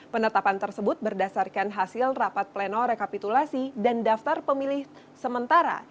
penetapan tersebut berdasarkan hasil rapat pleno rekapitulasi dan daftar pemilih sementara